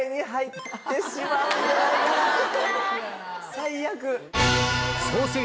最悪。